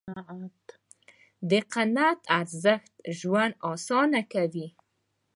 د قناعت ارزښت ژوند آسانه کوي.